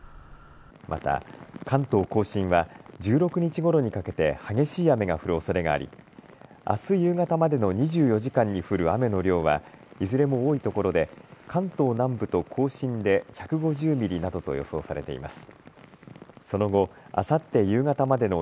また関東甲信は１６日ごろにかけて激しい雨が降るおそれがありあす夕方までの２４時間に降る雨の量はいずれも多いところで関東南部と甲信で１５０ミリなどと予想されています。